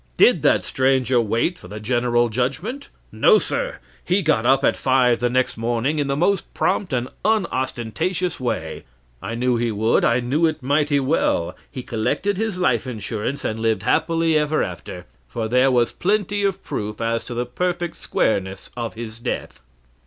Did that stranger wait for the general judgment? No, sir; he got up at five the next morning in the most prompt and unostentatious way. I knew he would; I knew it mighty well. He collected his life insurance, and lived happy ever after, for there was plenty of proof as to the perfect squareness of his death.